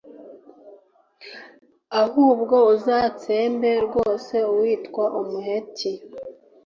ahubwo uzatsembe rwose uwitwa umuheti,